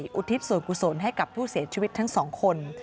อุทิศส่วนกุศลให้กับผู้เสียชีวิตทั้งสองคน